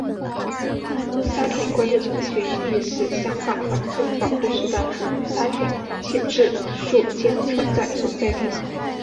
沙田官立中学亦是香港环境保护署的沙田空气质素监测站所在地。